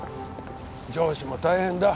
上司も大変だ。